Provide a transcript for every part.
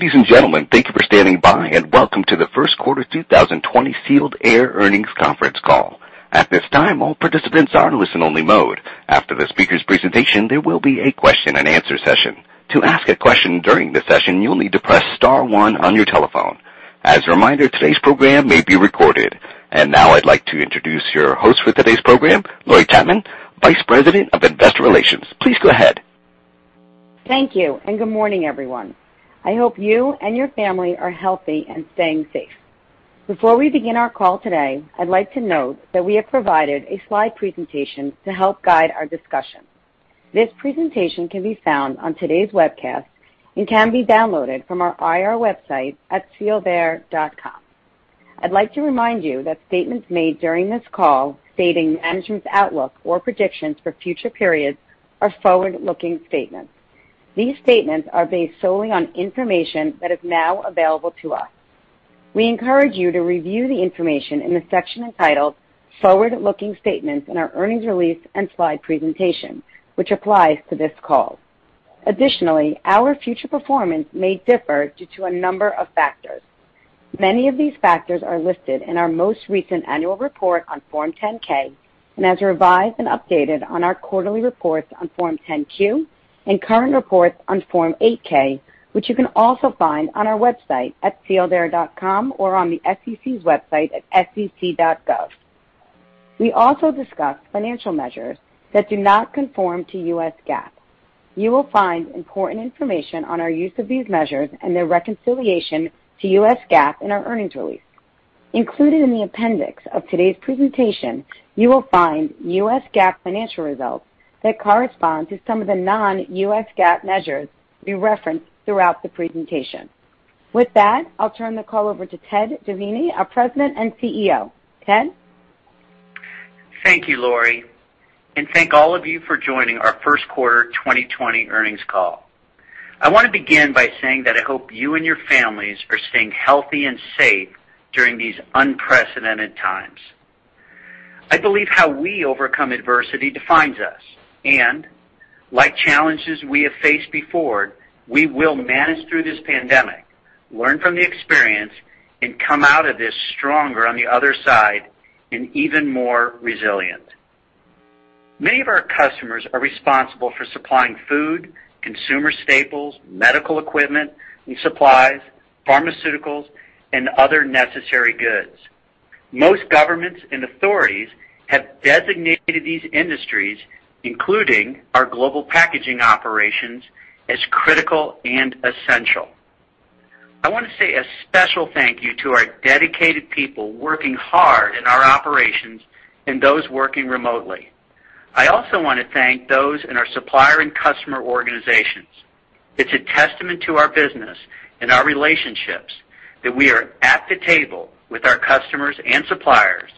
Ladies and gentlemen, thank you for standing by, welcome to the first quarter 2020 Sealed Air Earnings Conference Call. At this time, all participants are in listen only mode. After the speaker's presentation, there will be a question-and-answer session. To ask a question during the session, you'll need to press star one on your telephone. As a reminder, today's program may be recorded. Now I'd like to introduce your host for today's program, Lori Chaitman, Vice President of Investor Relations. Please go ahead. Thank you. Good morning, everyone. I hope you and your family are healthy and staying safe. Before we begin our call today, I'd like to note that we have provided a slide presentation to help guide our discussion. This presentation can be found on today's webcast and can be downloaded from our IR website at sealedair.com. I'd like to remind you that statements made during this call stating management's outlook or predictions for future periods are forward-looking statements. These statements are based solely on information that is now available to us. We encourage you to review the information in the section entitled Forward-Looking Statements in our earnings release and slide presentation, which applies to this call. Additionally, our future performance may differ due to a number of factors. Many of these factors are listed in our most recent annual report on Form 10-K, and as revised and updated on our quarterly reports on Form 10-Q and current reports on Form 8-K, which you can also find on our website at sealedair.com or on the SEC's website at sec.gov. We also discuss financial measures that do not conform to U.S. GAAP. You will find important information on our use of these measures and their reconciliation to U.S. GAAP in our earnings release. Included in the appendix of today's presentation, you will find U.S. GAAP financial results that correspond to some of the non-U.S. GAAP measures we reference throughout the presentation. With that, I'll turn the call over to Ted Doheny, our President and CEO. Ted? Thank you, Lori, and thank all of you for joining our first quarter 2020 earnings call. I want to begin by saying that I hope you and your families are staying healthy and safe during these unprecedented times. I believe how we overcome adversity defines us, and like challenges we have faced before, we will manage through this pandemic, learn from the experience, and come out of this stronger on the other side and even more resilient. Many of our customers are responsible for supplying food, consumer staples, medical equipment and supplies, pharmaceuticals, and other necessary goods. Most governments and authorities have designated these industries, including our global packaging operations, as critical and essential. I want to say a special thank you to our dedicated people working hard in our operations and those working remotely. I also want to thank those in our supplier and customer organizations. It's a testament to our business and our relationships that we are at the table with our customers and suppliers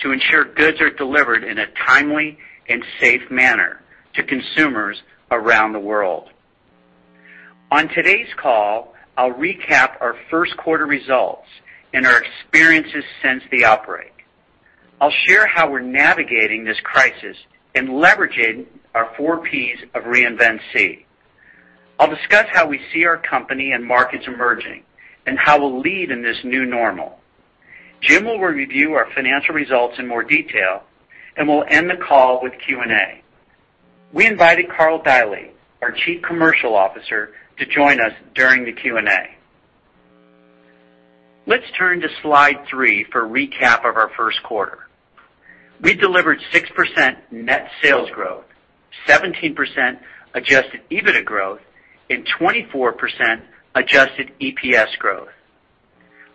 to ensure goods are delivered in a timely and safe manner to consumers around the world. On today's call, I'll recap our first quarter results and our experiences since the outbreak. I'll share how we're navigating this crisis and leveraging our four Ps of Reinvent SEE. I'll discuss how we see our company and markets emerging and how we'll lead in this new normal. Jim will review our financial results in more detail. We'll end the call with Q&A. We invited Karl Deily, our Chief Commercial Officer, to join us during the Q&A. Let's turn to slide three for a recap of our first quarter. We delivered 6% net sales growth, 17% adjusted EBITDA growth, 24% adjusted EPS growth.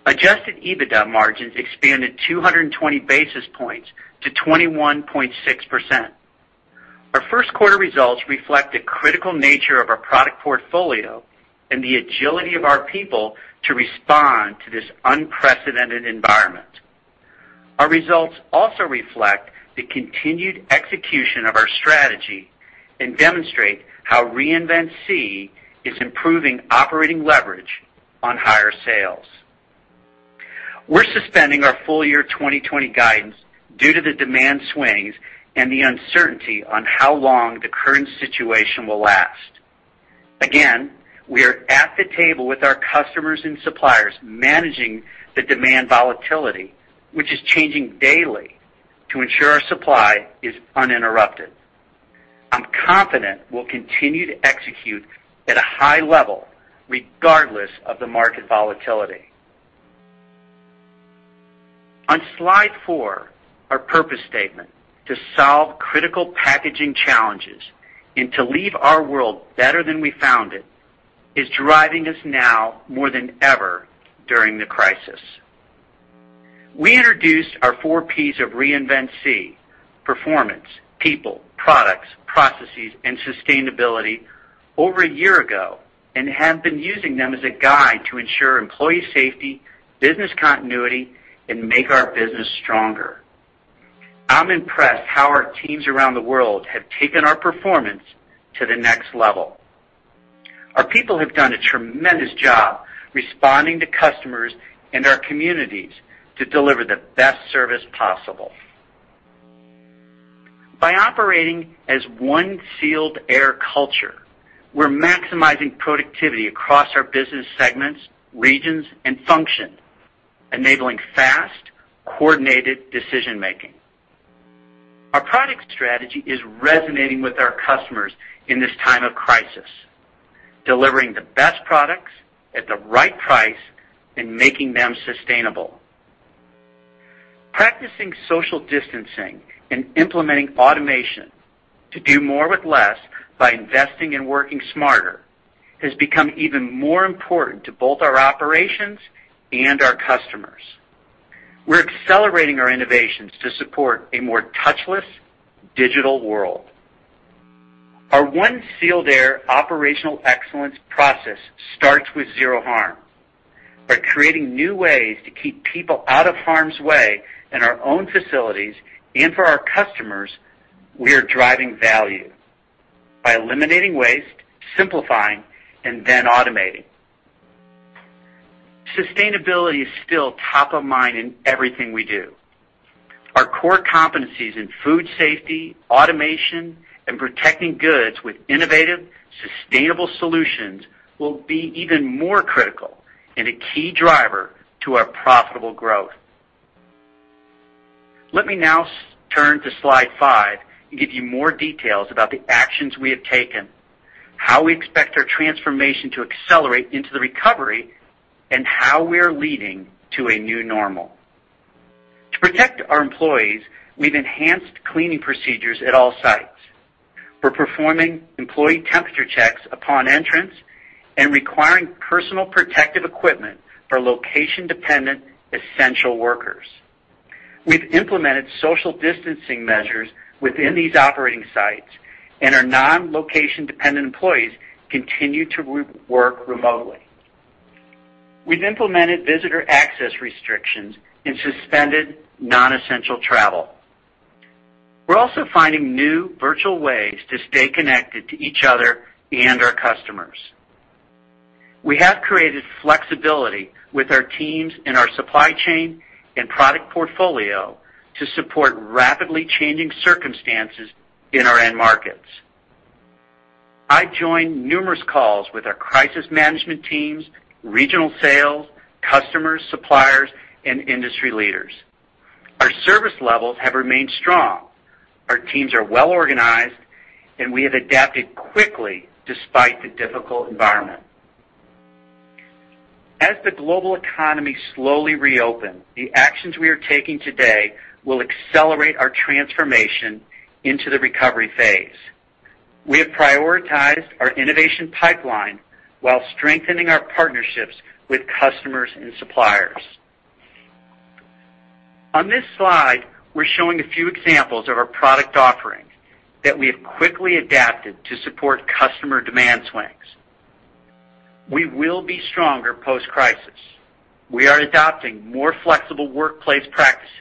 Adjusted EBITDA margins expanded 220 basis points to 21.6%. Our first quarter results reflect the critical nature of our product portfolio and the agility of our people to respond to this unprecedented environment. Our results also reflect the continued execution of our strategy and demonstrate how Reinvent SEE is improving operating leverage on higher sales. We're suspending our full year 2020 guidance due to the demand swings and the uncertainty on how long the current situation will last. Again, we are at the table with our customers and suppliers managing the demand volatility, which is changing daily to ensure our supply is uninterrupted. I'm confident we'll continue to execute at a high level regardless of the market volatility. On slide four, our purpose statement, to solve critical packaging challenges and to leave our world better than we found it, is driving us now more than ever during the crisis. We introduced our four Ps of Reinvent SEE, performance, people, products, processes, and sustainability over a year ago and have been using them as a guide to ensure employee safety, business continuity, and make our business stronger. I'm impressed how our teams around the world have taken our performance to the next level. Our people have done a tremendous job responding to customers and our communities to deliver the best service possible. By operating as One Sealed Air culture, we're maximizing productivity across our business segments, regions, and function, enabling fast, coordinated decision-making. Our product strategy is resonating with our customers in this time of crisis, delivering the best products at the right price and making them sustainable. Practicing social distancing and implementing automation to do more with less by investing and working smarter has become even more important to both our operations and our customers. We're accelerating our innovations to support a more touchless digital world. Our One Sealed Air operational excellence process starts with zero harm. By creating new ways to keep people out of harm's way in our own facilities and for our customers, we are driving value by eliminating waste, simplifying, and then automating. Sustainability is still top of mind in everything we do. Our core competencies in food safety, automation, and protecting goods with innovative, sustainable solutions will be even more critical and a key driver to our profitable growth. Let me now turn to slide five and give you more details about the actions we have taken, how we expect our transformation to accelerate into the recovery, and how we are leading to a new normal. To protect our employees, we've enhanced cleaning procedures at all sites. We're performing employee temperature checks upon entrance and requiring personal protective equipment for location-dependent essential workers. We've implemented social distancing measures within these operating sites. Our non-location-dependent employees continue to work remotely. We've implemented visitor access restrictions and suspended non-essential travel. We're also finding new virtual ways to stay connected to each other and our customers. We have created flexibility with our teams in our supply chain and product portfolio to support rapidly changing circumstances in our end markets. I joined numerous calls with our crisis management teams, regional sales, customers, suppliers, and industry leaders. Our service levels have remained strong. Our teams are well-organized. We have adapted quickly despite the difficult environment. As the global economy slowly reopens, the actions we are taking today will accelerate our transformation into the recovery phase. We have prioritized our innovation pipeline while strengthening our partnerships with customers and suppliers. On this slide, we're showing a few examples of our product offerings that we have quickly adapted to support customer demand swings. We will be stronger post-crisis. We are adopting more flexible workplace practices.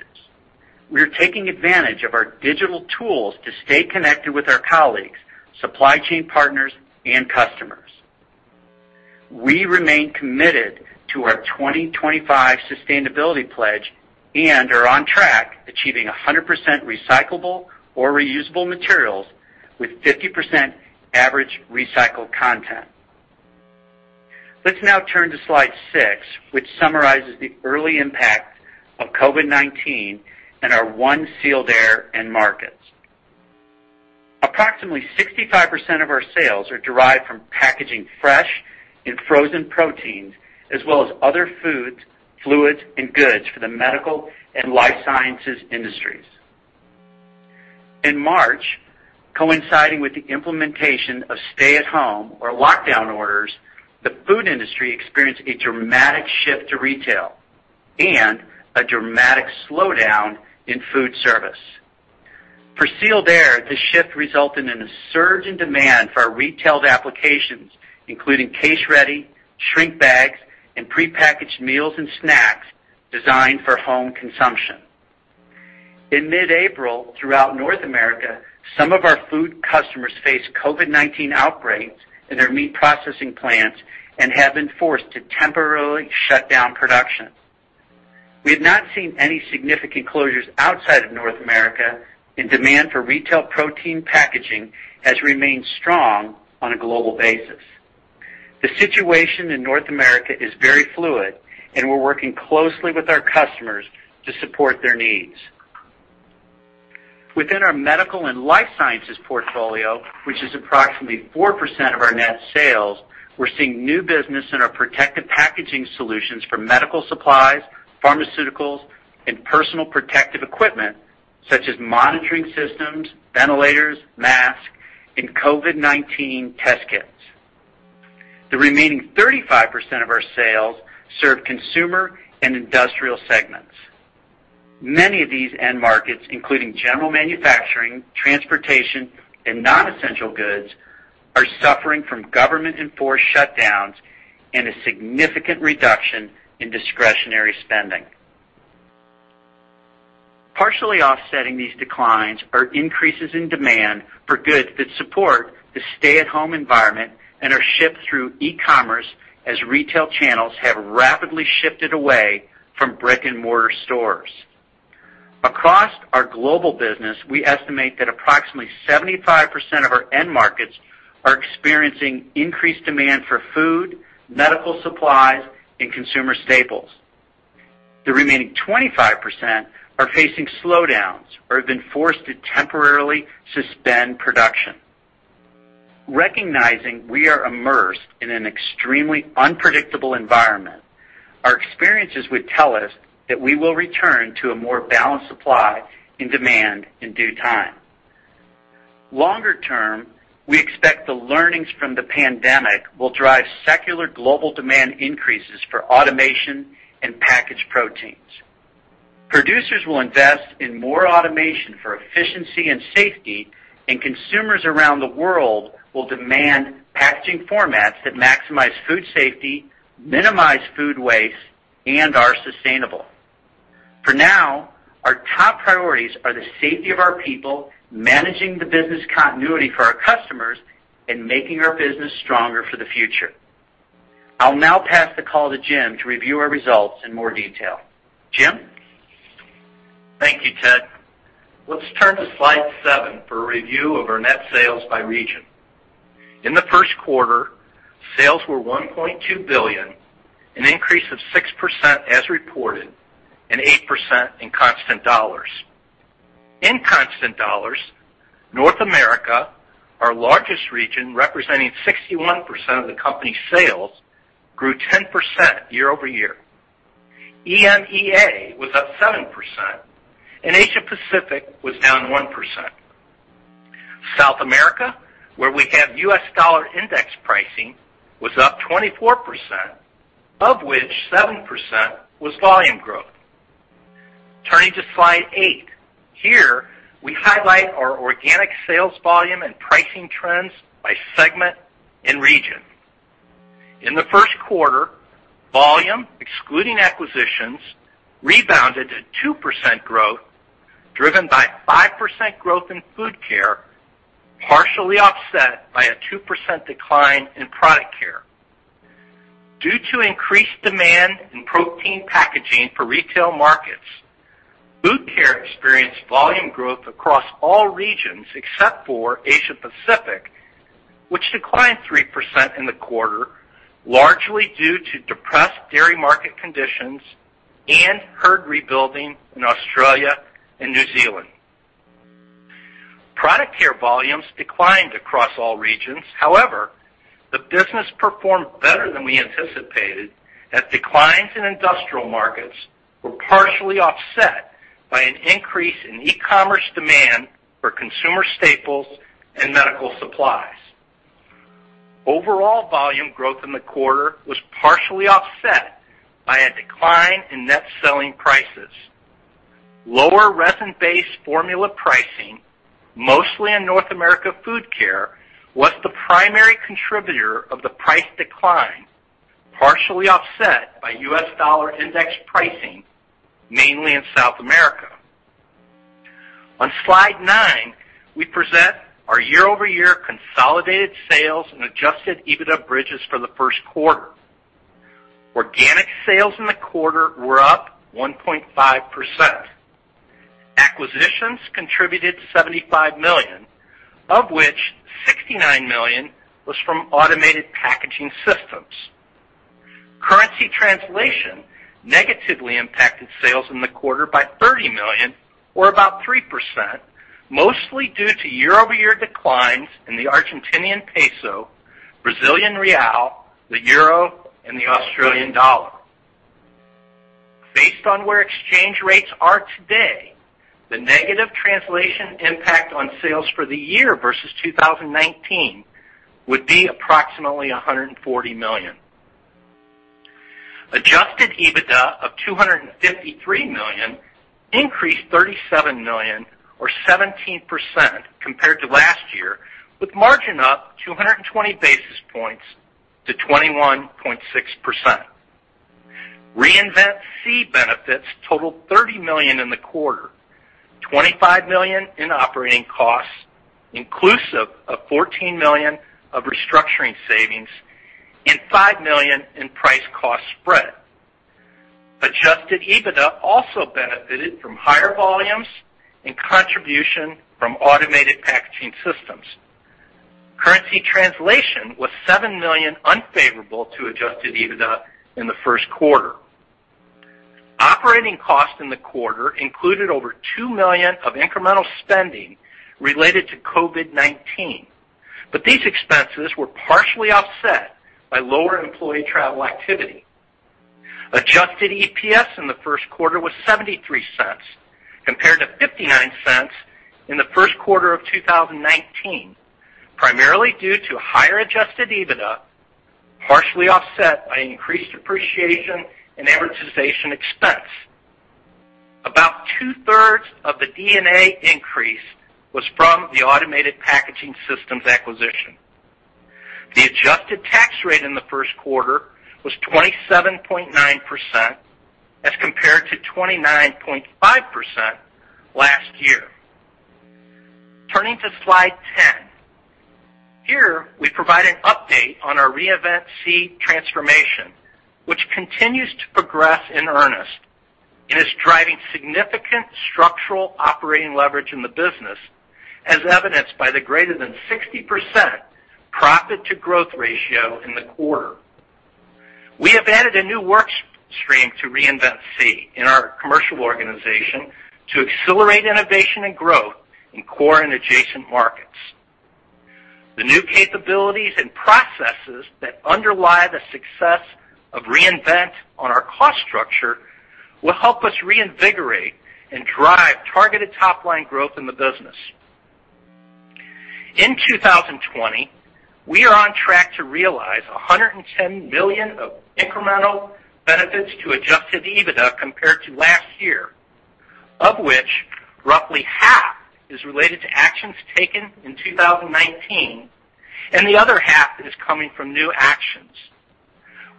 We are taking advantage of our digital tools to stay connected with our colleagues, supply chain partners, and customers. We remain committed to our 2025 sustainability pledge and are on track achieving 100% recyclable or reusable materials with 50% average recycled content. Let's now turn to slide six, which summarizes the early impact of COVID-19 and our One Sealed Air end markets. Approximately 65% of our sales are derived from packaging fresh and frozen proteins, as well as other foods, fluids, and goods for the medical and life sciences industries. In March, coinciding with the implementation of stay-at-home or lockdown orders, the food industry experienced a dramatic shift to retail and a dramatic slowdown in food service. For Sealed Air, this shift resulted in a surge in demand for our retailed applications, including case-ready, shrink bags, and prepackaged meals and snacks designed for home consumption. In mid-April, throughout North America, some of our food customers faced COVID-19 outbreaks in their meat processing plants and have been forced to temporarily shut down production. We have not seen any significant closures outside of North America, and demand for retail protein packaging has remained strong on a global basis. The situation in North America is very fluid, and we're working closely with our customers to support their needs. Within our medical and life sciences portfolio, which is approximately 4% of our net sales, we're seeing new business in our protective packaging solutions for medical supplies, pharmaceuticals, and personal protective equipment such as monitoring systems, ventilators, masks, and COVID-19 test kits. The remaining 35% of our sales serve consumer and industrial segments. Many of these end markets, including general manufacturing, transportation, and non-essential goods, are suffering from government-enforced shutdowns and a significant reduction in discretionary spending. Partially offsetting these declines are increases in demand for goods that support the stay-at-home environment and are shipped through e-commerce as retail channels have rapidly shifted away from brick-and-mortar stores. Our global business, we estimate that approximately 75% of our end markets are experiencing increased demand for food, medical supplies, and consumer staples. The remaining 25% are facing slowdowns or have been forced to temporarily suspend production. Recognizing we are immersed in an extremely unpredictable environment, our experiences would tell us that we will return to a more balanced supply and demand in due time. Longer term, we expect the learnings from the pandemic will drive secular global demand increases for automation and packaged proteins. Producers will invest in more automation for efficiency and safety, and consumers around the world will demand packaging formats that maximize food safety, minimize food waste, and are sustainable. For now, our top priorities are the safety of our people, managing the business continuity for our customers, and making our business stronger for the future. I'll now pass the call to Jim to review our results in more detail. Jim? Thank you, Ted. Let's turn to slide seven for a review of our net sales by region. In the first quarter, sales were $1.2 billion, an increase of 6% as reported, and 8% in constant dollars. In constant dollars, North America, our largest region, representing 61% of the company's sales, grew 10% year-over-year. EMEA was up 7%, and Asia Pacific was down 1%. South America, where we have U.S. dollar index pricing, was up 24%, of which 7% was volume growth. Turning to slide eight. Here, we highlight our organic sales volume and pricing trends by segment and region. In the first quarter, volume, excluding acquisitions, rebounded to 2% growth, driven by 5% growth in Food Care, partially offset by a 2% decline in Product Care. Due to increased demand in protein packaging for retail markets, Food Care experienced volume growth across all regions except for Asia Pacific, which declined 3% in the quarter, largely due to depressed dairy market conditions and herd rebuilding in Australia and New Zealand. The business performed better than we anticipated, as declines in industrial markets were partially offset by an increase in e-commerce demand for consumer staples and medical supplies. Overall volume growth in the quarter was partially offset by a decline in net selling prices. Lower resin-based formula pricing, mostly in North America Food Care, was the primary contributor of the price decline, partially offset by U.S. dollar index pricing, mainly in South America. On slide nine, we present our year-over-year consolidated sales and adjusted EBITDA bridges for the first quarter. Organic sales in the quarter were up 1.5%. Acquisitions contributed $75 million, of which $69 million was from Automated Packaging Systems. Currency translation negatively impacted sales in the quarter by $30 million or about 3%, mostly due to year-over-year declines in the Argentinian peso, Brazilian real, the euro, and the Australian dollar. Based on where exchange rates are today, the negative translation impact on sales for the year versus 2019 would be approximately $140 million. Adjusted EBITDA of $253 million increased $37 million or 17% compared to last year, with margin up 220 basis points to 21.6%. Reinvent SEE benefits totaled $30 million in the quarter, $25 million in operating costs, inclusive of $14 million of restructuring savings and $5 million in price cost spread. Adjusted EBITDA also benefited from higher volumes and contribution from Automated Packaging Systems. Currency translation was $7 million unfavorable to Adjusted EBITDA in the first quarter. Operating costs in the quarter included over $2 million of incremental spending related to COVID-19. These expenses were partially offset by lower employee travel activity. Adjusted EPS in the first quarter was $0.73 compared to $0.59 in the first quarter of 2019, primarily due to higher adjusted EBITDA, partially offset by increased depreciation and amortization expense. About two-thirds of the D&A increase was from the Automated Packaging Systems acquisition. The adjusted tax rate in the first quarter was 27.9% as compared to 29.5% last year. Turning to slide 10, here we provide an update on our Reinvent SEE transformation, which continues to progress in earnest and is driving significant structural operating leverage in the business, as evidenced by the greater than 60% profit to growth ratio in the quarter. We have added a new work stream to Reinvent SEE in our commercial organization to accelerate innovation and growth in core and adjacent markets. The new capabilities and processes that underlie the success of Reinvent SEE on our cost structure will help us reinvigorate and drive targeted top-line growth in the business. In 2020, we are on track to realize $110 million of incremental benefits to adjusted EBITDA compared to last year, of which roughly half is related to actions taken in 2019. The other half is coming from new actions.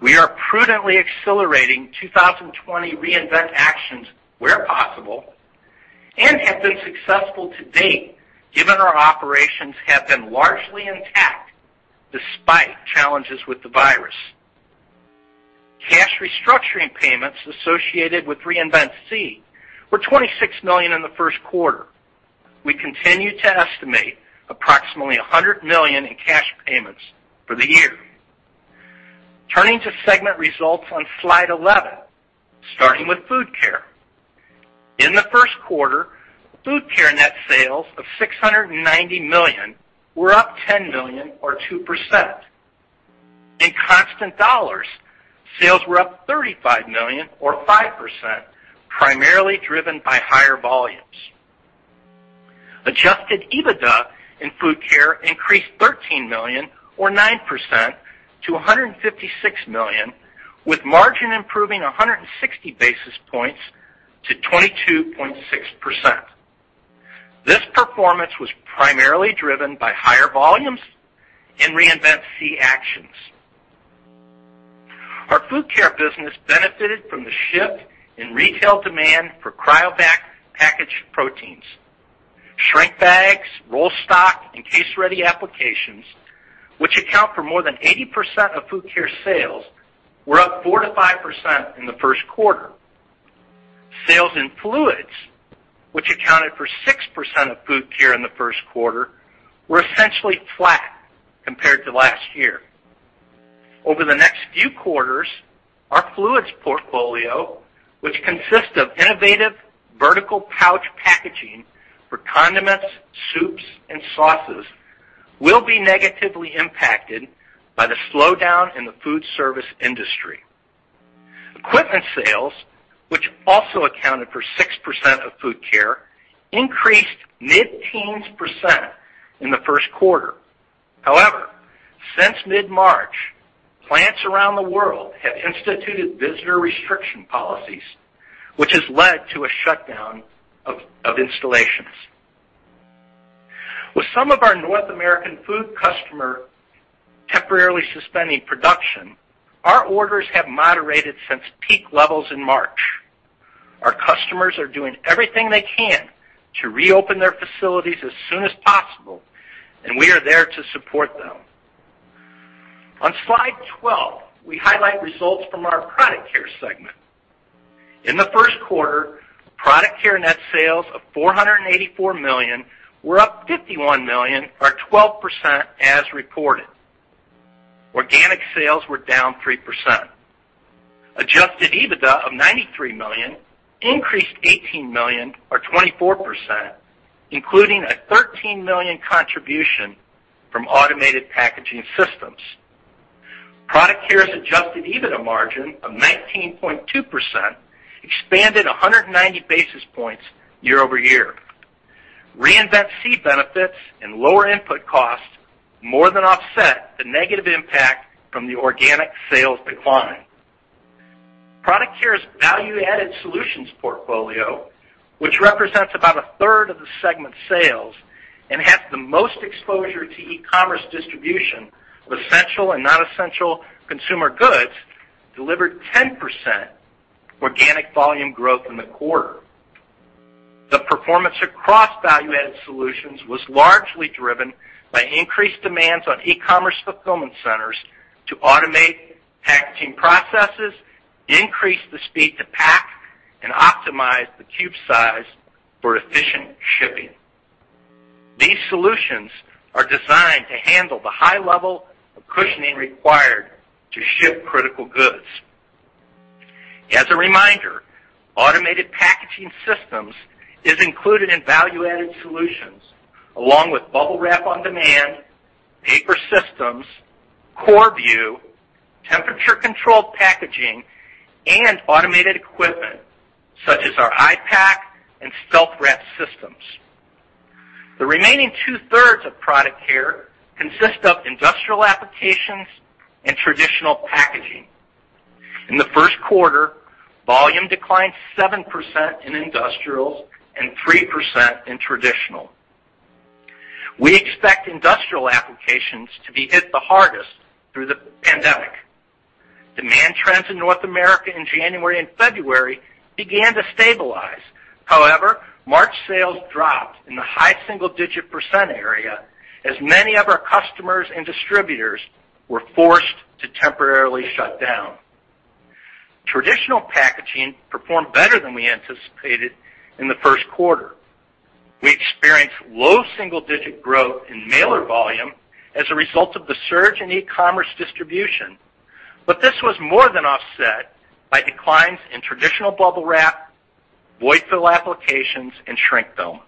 We are prudently accelerating 2020 Reinvent SEE actions where possible. We have been successful to date, given our operations have been largely intact despite challenges with the virus. Cash restructuring payments associated with Reinvent SEE were $26 million in the first quarter. We continue to estimate approximately $100 million in cash payments for the year. Turning to segment results on slide 11, starting with Food Care. In the first quarter, Food Care net sales of $690 million were up $10 million or 2%. In constant dollars, sales were up $35 million or 5%, primarily driven by higher volumes. Adjusted EBITDA in Food Care increased $13 million or 9% to $156 million, with margin improving 160 basis points to 22.6%. This performance was primarily driven by higher volumes and Reinvent SEE actions. Our Food Care business benefited from the shift in retail demand for Cryovac packaged proteins. Shrink bags, roll stock, and case-ready applications, which account for more than 80% of Food Care sales, were up 4%-5% in the first quarter. Sales in fluids, which accounted for 6% of Food Care in the first quarter, were essentially flat compared to last year. Over the next few quarters, our fluids portfolio, which consists of innovative vertical pouch packaging for condiments, soups, and sauces, will be negatively impacted by the slowdown in the food service industry. Equipment sales, which also accounted for 6% of Food Care, increased mid-teens% in the first quarter. Since mid-March, plants around the world have instituted visitor restriction policies, which has led to a shutdown of installations. With some of our North American food customer temporarily suspending production, our orders have moderated since peak levels in March. Our customers are doing everything they can to reopen their facilities as soon as possible, and we are there to support them. On slide 12, we highlight results from our Product Care segment. In the first quarter, Product Care net sales of $484 million were up $51 million or 12% as reported. Organic sales were down 3%. Adjusted EBITDA of $93 million increased $18 million or 24%, including a $13 million contribution from Automated Packaging Systems. Product Care's adjusted EBITDA margin of 19.2% expanded 190 basis points year-over-year. Reinvent SEE benefits and lower input costs more than offset the negative impact from the organic sales decline. Product Care's Value Added Solutions portfolio, which represents about a third of the segment's sales and has the most exposure to e-commerce distribution of essential and non-essential consumer goods, delivered 10% organic volume growth in the quarter. The performance across Value Added Solutions was largely driven by increased demands on e-commerce fulfillment centers to automate packaging processes, increase the speed to pack, and optimize the cube size for efficient shipping. These solutions are designed to handle the high level of cushioning required to ship critical goods. As a reminder, Automated Packaging Systems is included in Value Added Solutions, along with Bubble Wrap on Demand, Paper Systems, Korrvu, temperature-controlled packaging, and automated equipment, such as our I-Pack and StealthWrap systems. The remaining two-thirds of Product Care consist of industrial applications and traditional packaging. In the first quarter, volume declined 7% in industrial and 3% in traditional. We expect industrial applications to be hit the hardest. Sales in North America in January and February began to stabilize. March sales dropped in the high single-digit percent area, as many of our customers and distributors were forced to temporarily shut down. Traditional packaging performed better than we anticipated in the first quarter. We experienced low double-digit growth in mailer volume as a result of the surge in e-commerce distribution. This was more than offset by declines in traditional Bubble Wrap, void fill applications, and shrink film.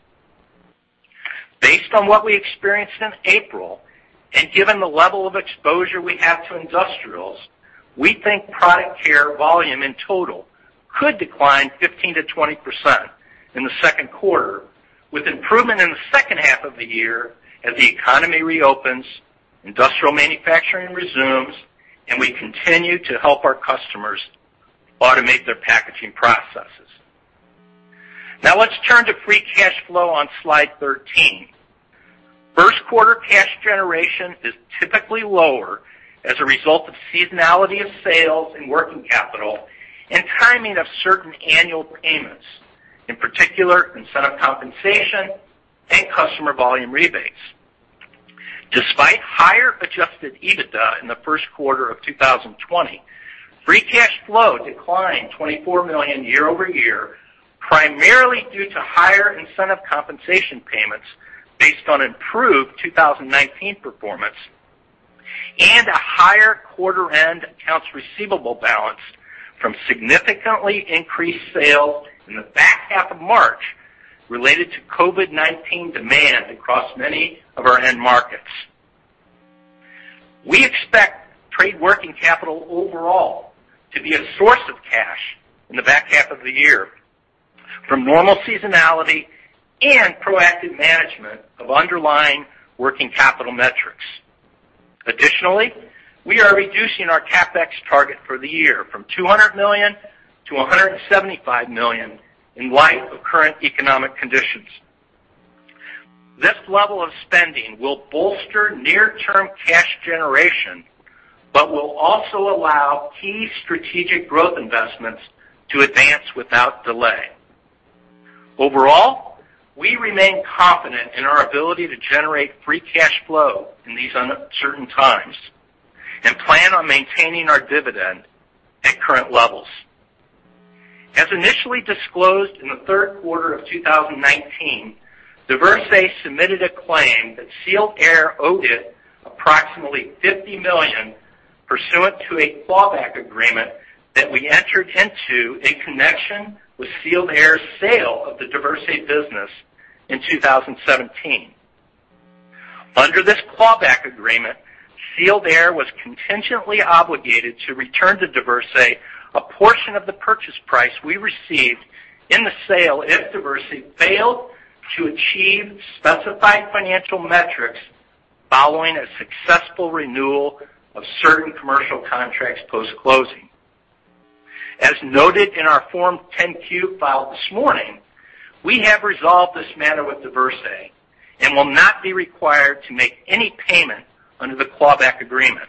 Based on what we experienced in April, and given the level of exposure we have to industrials, we think Product Care volume in total could decline 15%-20% in the second quarter, with improvement in the second half of the year as the economy reopens, industrial manufacturing resumes, and we continue to help our customers automate their packaging processes. Let's turn to free cash flow on slide 13. First quarter cash generation is typically lower as a result of seasonality of sales and working capital and timing of certain annual payments, in particular, incentive compensation and customer volume rebates. Despite higher adjusted EBITDA in the first quarter of 2020, free cash flow declined $24 million year-over-year, primarily due to higher incentive compensation payments based on improved 2019 performance and a higher quarter-end accounts receivable balance from significantly increased sales in the back half of March related to COVID-19 demand across many of our end markets. We expect trade working capital overall to be a source of cash in the back half of the year from normal seasonality and proactive management of underlying working capital metrics. Additionally, we are reducing our CapEx target for the year from $200 million-$175 million in light of current economic conditions. This level of spending will bolster near-term cash generation, but will also allow key strategic growth investments to advance without delay. Overall, we remain confident in our ability to generate free cash flow in these uncertain times and plan on maintaining our dividend at current levels. As initially disclosed in the third quarter of 2019, Diversey submitted a claim that Sealed Air owed it approximately $50 million pursuant to a clawback agreement that we entered into in connection with Sealed Air's sale of the Diversey business in 2017. Under this clawback agreement, Sealed Air was contingently obligated to return to Diversey a portion of the purchase price we received in the sale if Diversey failed to achieve specified financial metrics following a successful renewal of certain commercial contracts post-closing. As noted in our Form 10-Q filed this morning, we have resolved this matter with Diversey and will not be required to make any payment under the clawback agreement.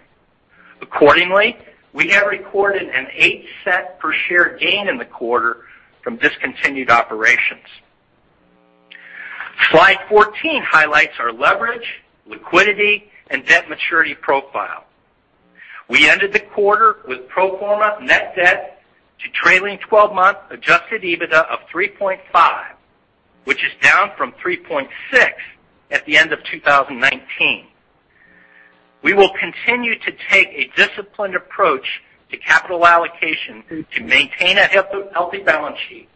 Accordingly, we have recorded an $0.08 per share gain in the quarter from discontinued operations. Slide 14 highlights our leverage, liquidity, and debt maturity profile. We ended the quarter with pro forma net debt to trailing 12-month adjusted EBITDA of 3.5x, which is down from 3.6x at the end of 2019. We will continue to take a disciplined approach to capital allocation to maintain a healthy balance sheet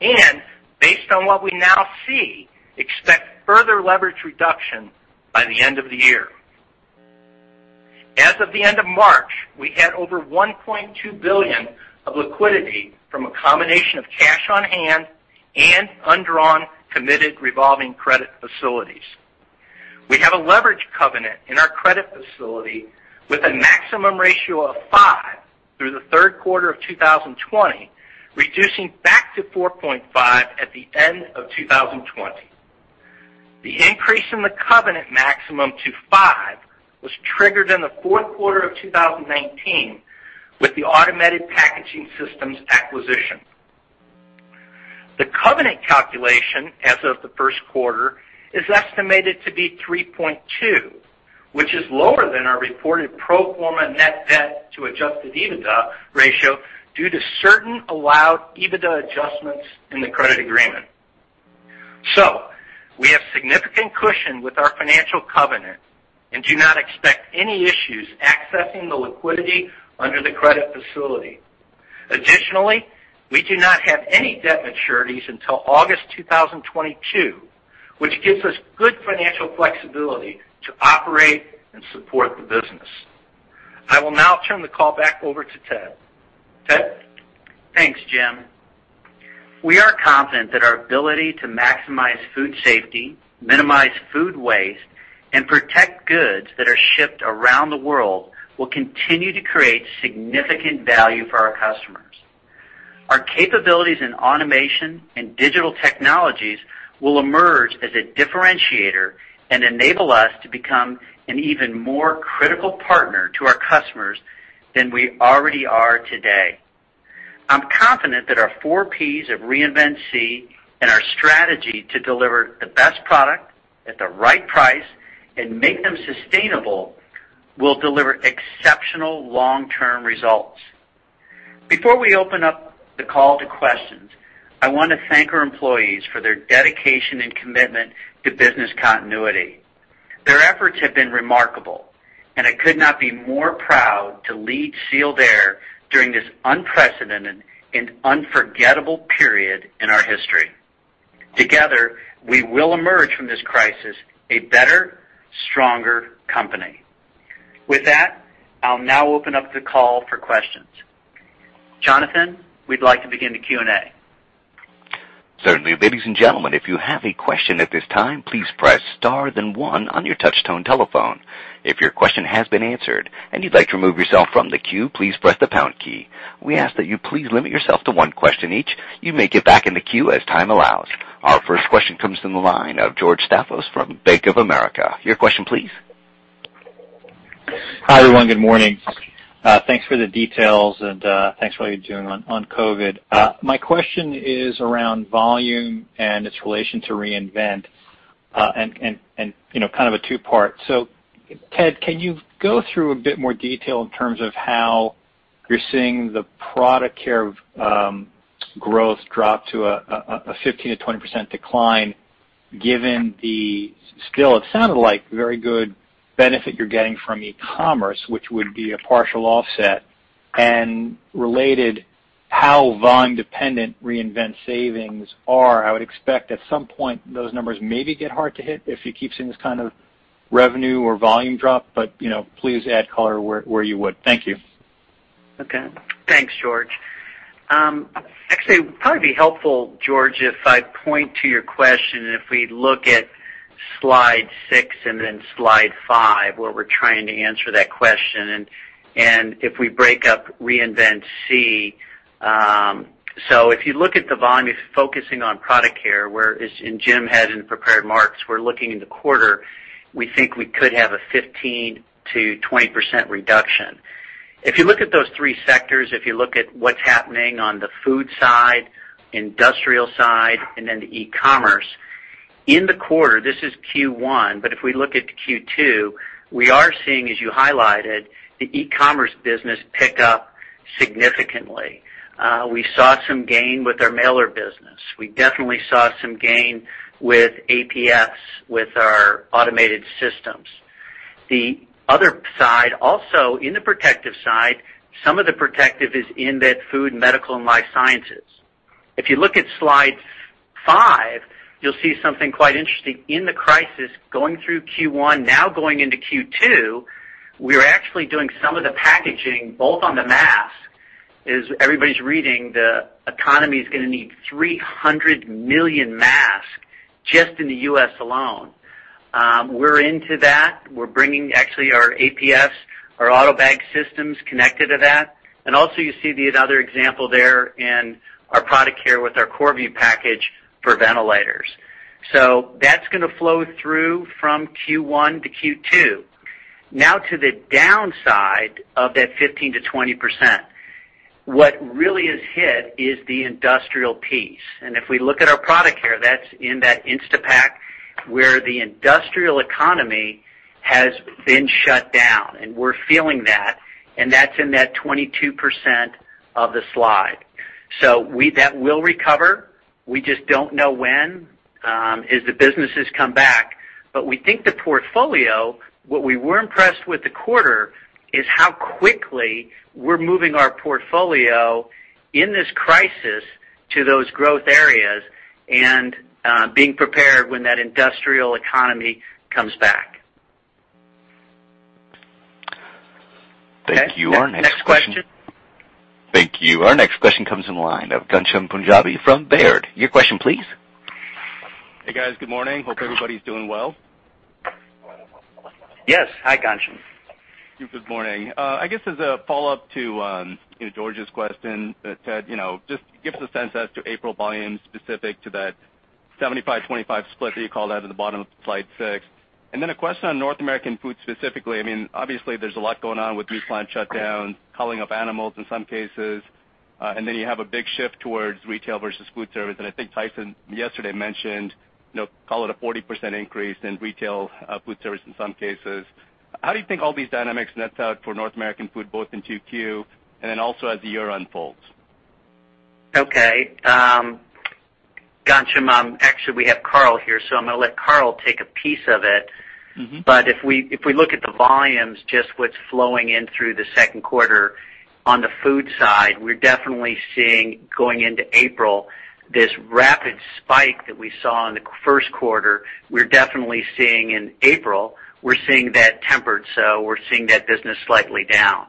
and based on what we now see, expect further leverage reduction by the end of the year. As of the end of March, we had over $1.2 billion of liquidity from a combination of cash on hand and undrawn committed revolving credit facilities. We have a leverage covenant in our credit facility with a maximum ratio of 5x through the third quarter of 2020, reducing back to 4.5x at the end of 2020. The increase in the covenant maximum to 5x was triggered in the fourth quarter of 2019 with the Automated Packaging Systems acquisition. The covenant calculation as of the first quarter is estimated to be 3.2x, which is lower than our reported pro forma net debt to adjusted EBITDA ratio due to certain allowed EBITDA adjustments in the credit agreement. We have significant cushion with our financial covenant and do not expect any issues accessing the liquidity under the credit facility. Additionally, we do not have any debt maturities until August 2022, which gives us good financial flexibility to operate and support the business. I will now turn the call back over to Ted. Ted? Thanks, Jim. We are confident that our ability to maximize food safety, minimize food waste, and protect goods that are shipped around the world will continue to create significant value for our customers. Our capabilities in automation and digital technologies will emerge as a differentiator and enable us to become an even more critical partner to our customers than we already are today. I'm confident that our four Ps of Reinvent SEE and our strategy to deliver the best product at the right price and make them sustainable will deliver exceptional long-term results. Before we open up the call to questions, I want to thank our employees for their dedication and commitment to business continuity. Their efforts have been remarkable, and I could not be more proud to lead Sealed Air during this unprecedented and unforgettable period in our history. Together, we will emerge from this crisis a better, stronger company. With that, I'll now open up the call for questions. Jonathan, we'd like to begin the Q&A. Certainly. Ladies and gentlemen, if you have a question at this time, please press star then one on your touch-tone telephone. If your question has been answered and you'd like to remove yourself from the queue, please press the pound key. We ask that you please limit yourself to one question each. You may get back in the queue as time allows. Our first question comes from the line of George Staphos from Bank of America. Your question please. Hi, everyone. Good morning. Thanks for the details, and thanks for what you're doing on COVID-19. My question is around volume and its relation to Reinvent SEE, and kind of a two-part. Ted, can you go through a bit more detail in terms of how you're seeing the Product Care growth drop to a 15%-20% decline given the still, it sounded like, very good benefit you're getting from e-commerce, which would be a partial offset. Related, how volume-dependent Reinvent SEE savings are. I would expect at some point those numbers maybe get hard to hit if you keep seeing this kind of revenue or volume drop. Please add color where you would. Thank you. Okay. Thanks, George. Actually, it would probably be helpful, George, if I point to your question and if we look at slide six and then slide five, where we're trying to answer that question, and if we break up Reinvent SEE. If you look at the volume, if you're focusing on Product Care, where, as Jim had in the prepared remarks, we're looking in the quarter, we think we could have a 15%-20% reduction. If you look at those three sectors, if you look at what's happening on the food side, industrial side, and then the e-commerce. In the quarter, this is Q1. If we look at Q2, we are seeing, as you highlighted, the e-commerce business pick up significantly. We saw some gain with our mailer business. We definitely saw some gain with APS, with our automated systems. The other side, also in the protective side, some of the protective is in that food, medical, and life sciences. If you look at slide five, you'll see something quite interesting. In the crisis, going through Q1, now going into Q2, we are actually doing some of the packaging, both on the mask, as everybody's reading, the economy's going to need 300 million masks just in the U.S. alone. We're into that. We're bringing actually our APS, our AutoBag systems connected to that. Also you see the other example there in our Product Care with our Korrvu package for ventilators. That's going to flow through from Q1 to Q2. To the downside of that 15%-20%. What really is hit is the industrial piece. If we look at our Product Care, that's in that Instapak where the industrial economy has been shut down, and we're feeling that, and that's in that 22% of the slide. That will recover. We just don't know when, as the businesses come back. We think the portfolio, what we were impressed with the quarter is how quickly we're moving our portfolio in this crisis to those growth areas and being prepared when that industrial economy comes back. Thank you. Our next question. Next question. Thank you. Our next question comes from the line of Ghansham Panjabi from Baird. Your question please. Hey, guys. Good morning. Hope everybody's doing well. Yes. Hi, Ghansham. Good morning. I guess as a follow-up to George's question, Ted, just give us a sense as to April volumes specific to that 75/25 split that you called out at the bottom of slide six. A question on North American food specifically. Obviously, there's a lot going on with meat plant shutdowns, culling of animals in some cases, and then you have a big shift towards retail versus food service. I think Tyson yesterday mentioned, call it a 40% increase in retail food service in some cases. How do you think all these dynamics net out for North American food, both in 2Q and then also as the year unfolds? Okay. Ghansham, actually, we have Karl here. I'm going to let Karl take a piece of it. If we look at the volumes, just what's flowing in through the second quarter on the food side, we're definitely seeing going into April, this rapid spike that we saw in the first quarter, we're definitely seeing in April, we're seeing that tempered. We're seeing that business slightly down.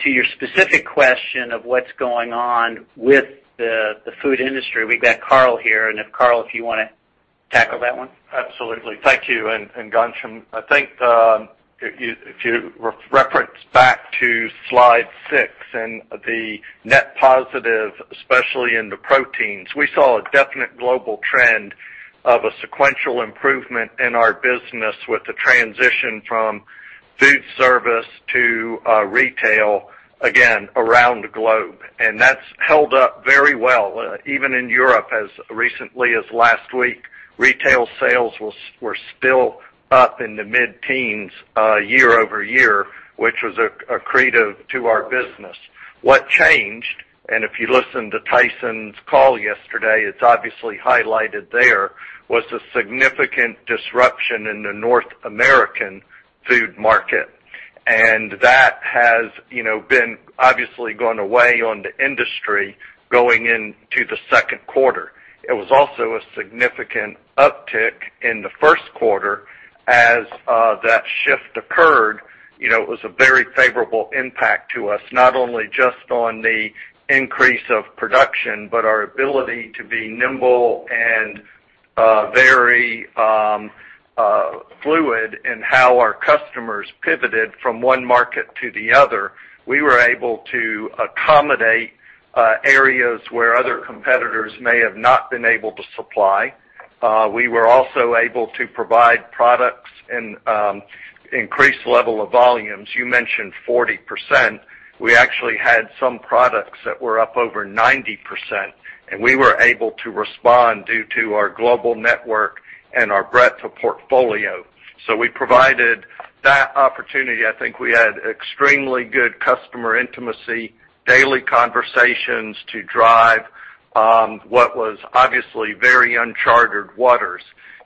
To your specific question of what's going on with the food industry, we've got Karl here, and if Karl, if you want to tackle that one? Absolutely. Thank you. Ghansham, I think, if you reference back to Slide six and the net positive, especially in the proteins, we saw a definite global trend of a sequential improvement in our business with the transition from food service to retail, again, around the globe. That's held up very well, even in Europe as recently as last week, retail sales were still up in the mid-teens year-over-year, which was accretive to our business. What changed, if you listen to Tyson's call yesterday, it's obviously highlighted there, was a significant disruption in the North American food market. That has obviously gone away on the industry going into the second quarter. It was also a significant uptick in the first quarter as that shift occurred. It was a very favorable impact to us, not only just on the increase of production, but our ability to be nimble and very fluid in how our customers pivoted from one market to the other. We were able to accommodate areas where other competitors may have not been able to supply. We were also able to provide products in increased level of volumes. You mentioned 40%. We actually had some products that were up over 90%, and we were able to respond due to our global network and our breadth of portfolio. We provided that opportunity. I think we had extremely good customer intimacy, daily conversations to drive what was obviously very uncharted waters.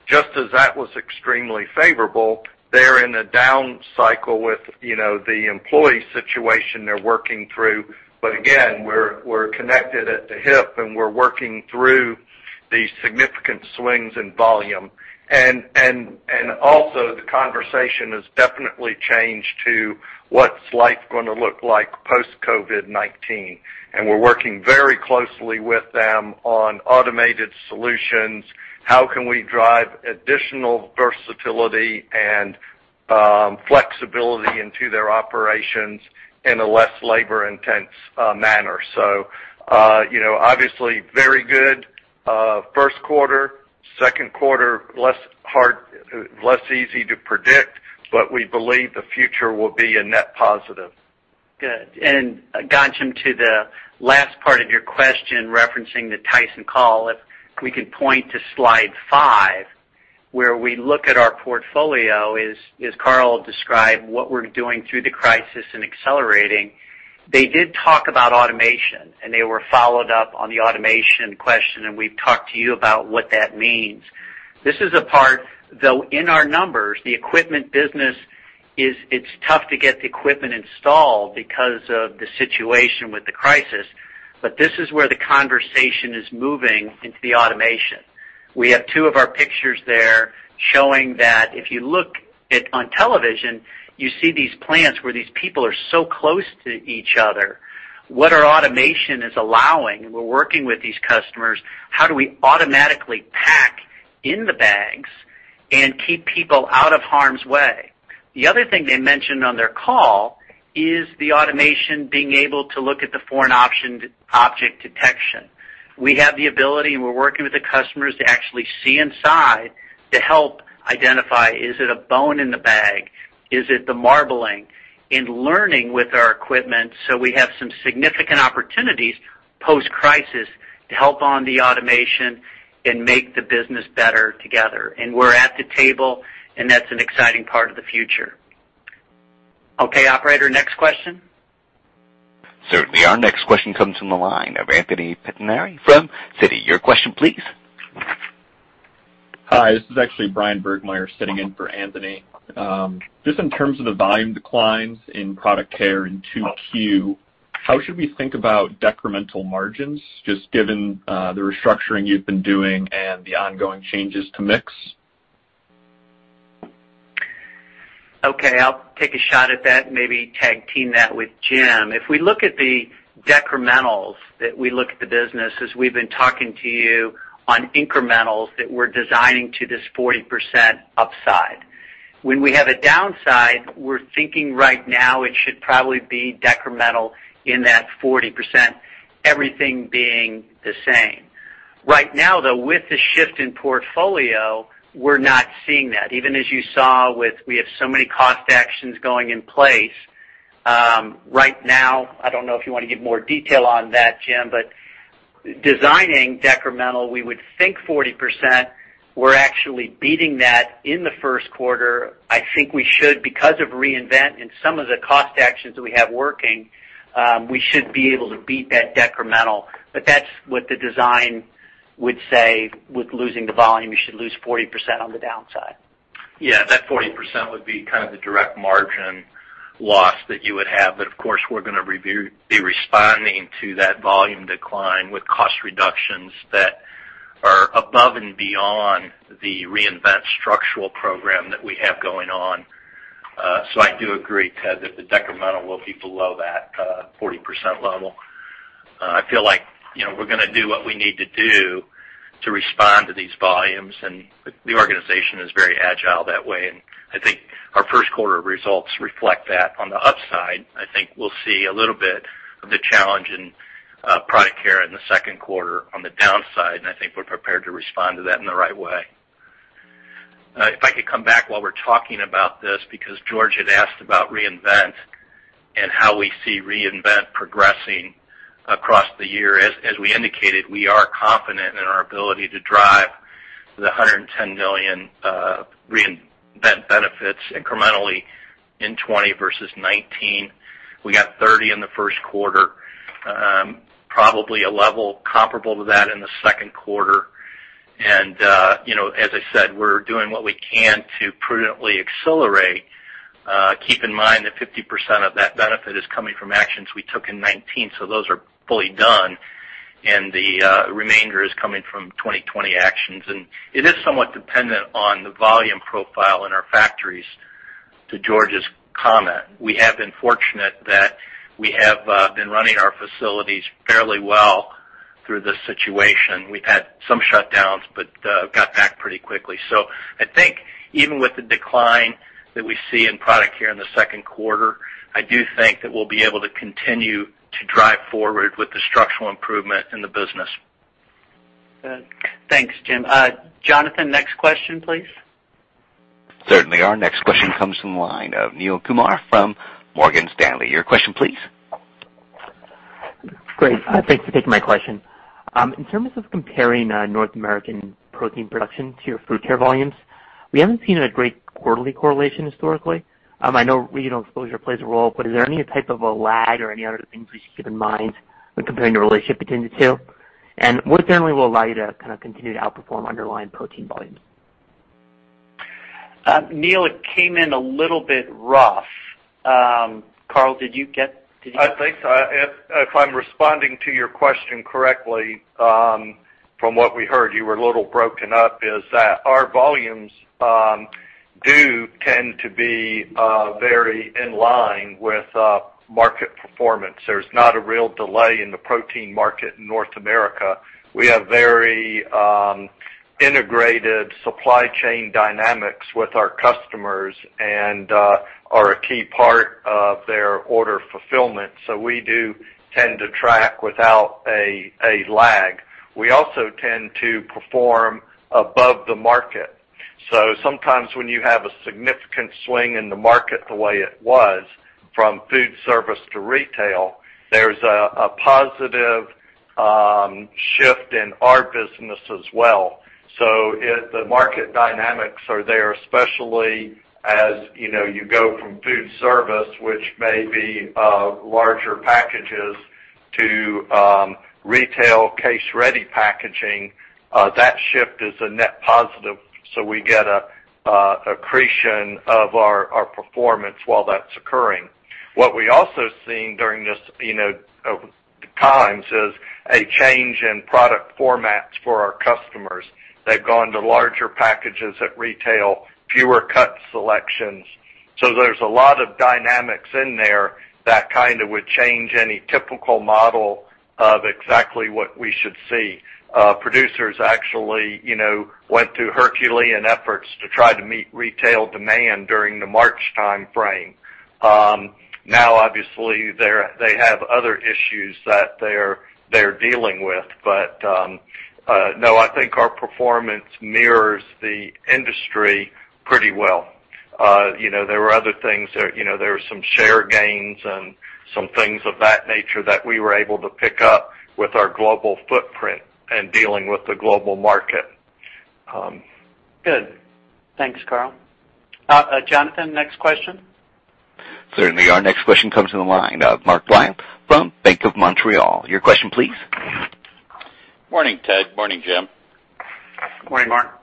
Just as that was extremely favorable, they're in a down cycle with the employee situation they're working through. Again, we're connected at the hip, and we're working through these significant swings in volume. Also, the conversation has definitely changed to what's life going to look like post-COVID-19. We're working very closely with them on automated solutions, how can we drive additional versatility and flexibility into their operations in a less labor-intense manner. Obviously, very good first quarter, second quarter, less easy to predict, but we believe the future will be a net positive. Good. Ghansham, to the last part of your question referencing the Tyson call, if we could point to Slide five, where we look at our portfolio, as Karl described what we're doing through the crisis and accelerating. They did talk about automation, they were followed up on the automation question, we've talked to you about what that means. This is a part, though, in our numbers, the equipment business, it's tough to get the equipment installed because of the situation with the crisis. This is where the conversation is moving into the automation. We have two of our pictures there showing that if you look on television, you see these plants where these people are so close to each other. What our automation is allowing, we're working with these customers, how do we automatically pack in the bags and keep people out of harm's way? The other thing they mentioned on their call is the automation being able to look at the foreign object detection. We have the ability, and we're working with the customers to actually see inside to help identify, is it a bone in the bag? Is it the marbling? In learning with our equipment. We have some significant opportunities post-crisis to help on the automation and make the business better together. We're at the table, and that's an exciting part of the future. Okay, operator, next question. Certainly. Our next question comes from the line of Anthony Pettinari from Citi. Your question, please. Hi, this is actually Bryan Burgmeier sitting in for Anthony. Just in terms of the volume declines in Product Care in 2Q, how should we think about decremental margins, just given the restructuring you've been doing and the ongoing changes to mix? Okay, I'll take a shot at that and maybe tag team that with Jim. If we look at the decrementals, that we look at the business as we've been talking to you on incrementals that we're designing to this 40% upside. When we have a downside, we're thinking right now it should probably be decremental in that 40%, everything being the same. Right now, though, with the shift in portfolio, we're not seeing that. Even as you saw, we have so many cost actions going in place. Right now, I don't know if you want to give more detail on that, Jim, but designing decremental, we would think 40%. We're actually beating that in the first quarter. I think we should, because of Reinvent and some of the cost actions that we have working, we should be able to beat that decremental. That's what the design would say with losing the volume, you should lose 40% on the downside. Yeah, that 40% would be kind of the direct margin loss that you would have. Of course, we're going to be responding to that volume decline with cost reductions that are above and beyond the Reinvent structural program that we have going on. I do agree, Ted, that the decremental will be below that 40% level. I feel like we're going to do what we need to do to respond to these volumes, and the organization is very agile that way. I think our first quarter results reflect that. On the upside, I think we'll see a little bit of the challenge in Product Care in the second quarter on the downside, and I think we're prepared to respond to that in the right way. If I could come back while we're talking about this, because George had asked about Reinvent and how we see Reinvent progressing across the year. We indicated, we are confident in our ability to drive the $110 million Reinvent benefits incrementally in 2020 versus 2019. We got $30 million in the first quarter. Probably a level comparable to that in the second quarter. As I said, we're doing what we can to prudently accelerate. Keep in mind that 50% of that benefit is coming from actions we took in 2019, so those are fully done, and the remainder is coming from 2020 actions. It is somewhat dependent on the volume profile in our factories, to George's comment. We have been fortunate that we have been running our facilities fairly well through this situation. We've had some shutdowns, but got back pretty quickly. I think even with the decline that we see in Product Care in the second quarter, I do think that we'll be able to continue to drive forward with the structural improvement in the business. Good. Thanks, Jim. Jonathan, next question, please. Certainly. Our next question comes from the line of Neel Kumar from Morgan Stanley. Your question, please. Great. Thanks for taking my question. In terms of comparing North American protein production to your Food Care volumes, we haven't seen a great quarterly correlation historically. I know regional exposure plays a role. Is there any type of a lag or any other things we should keep in mind when comparing the relationship between the two? What generally will allow you to kind of continue to outperform underlying protein volumes? Neel, it came in a little bit rough. Karl, did you get. I think if I'm responding to your question correctly, from what we heard, you were a little broken up, is that our volumes do tend to be very in line with market performance. There's not a real delay in the protein market in North America. We have very integrated supply chain dynamics with our customers and are a key part of their order fulfillment. We do tend to track without a lag. We also tend to perform above the market. Sometimes when you have a significant swing in the market the way it was from food service to retail, there's a positive shift in our business as well. The market dynamics are there, especially as you go from food service, which may be larger packages, to retail case-ready packaging. That shift is a net positive, so we get accretion of our performance while that's occurring. What we also seen during these times is a change in product formats for our customers. They've gone to larger packages at retail, fewer cut selections. There's a lot of dynamics in there that kind of would change any typical model of exactly what we should see. Producers actually went to Herculean efforts to try to meet retail demand during the March timeframe. Obviously, they have other issues that they're dealing with. No, I think our performance mirrors the industry pretty well. There were other things. There were some share gains and some things of that nature that we were able to pick up with our global footprint and dealing with the global market. Good. Thanks, Karl. Jonathan, next question. Certainly. Our next question comes from the line of Mark Wilde from Bank of Montreal. Your question, please. Morning, Ted. Morning, Jim. Morning, Mark.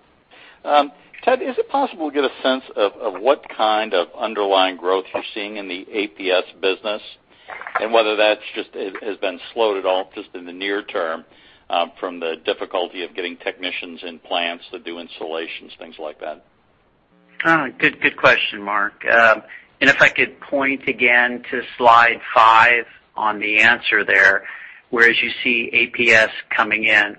Ted, is it possible to get a sense of what kind of underlying growth you're seeing in the APS business and whether that just has been slowed at all just in the near term from the difficulty of getting technicians in plants to do installations, things like that? Good question, Mark. If I could point again to slide five on the answer there, where as you see APS coming in.